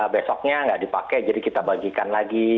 besoknya nggak dipakai jadi kita bagikan lagi